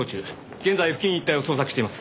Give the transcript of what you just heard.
現在付近一帯を捜索しています。